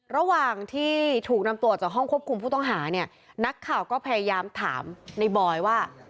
ระหว่างที่ถูกนำตัวออกจากห้องควบคุมผู้ต้องหาเนี่ยนักข่าวก็พยายามถามในบอยว่า